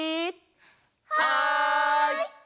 はい！